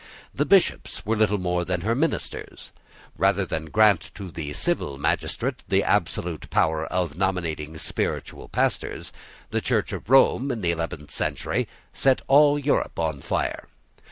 The Bishops were little more than her ministers. Rather than grant to the civil magistrate the absolute power of nominating spiritual pastors, the Church of Rome, in the eleventh century, set all Europe on fire.